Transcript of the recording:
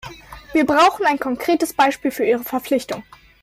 Wir brauchen ein konkretes Beispiel für Ihre Verpflichtung.